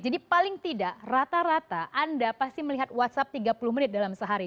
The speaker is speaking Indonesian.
jadi paling tidak rata rata anda pasti melihat whatsapp tiga puluh menit dalam sehari